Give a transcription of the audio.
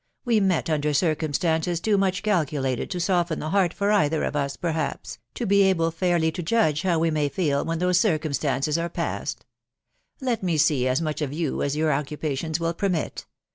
We met under circumstances too much calculated to soften the heart, for either of us, perhaps, to be able fairly to judge how we may feel when those circumstances are past. Let me see as much of you as your occupations will pernrt